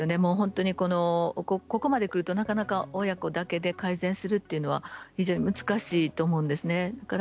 ここまでくるとなかなか親子だけで改善するというのは非常に難しいと思うんですね。